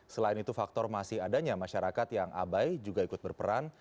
selain itu faktor masih adanya masyarakat yang abai juga ikut berperan